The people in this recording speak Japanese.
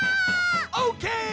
オーケー！